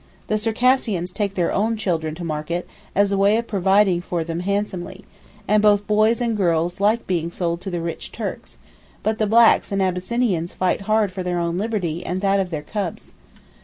The Circassians take their own children to market, as a way of providing for them handsomely, and both boys and girls like being sold to the rich Turks; but the blacks and Abyssinians fight hard for their own liberty and that of their cubs.